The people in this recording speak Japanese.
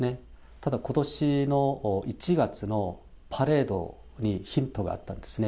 ただことしの１月のパレードにヒントがあったんですね。